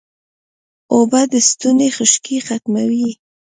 اوبه د ستوني خشکي ختموي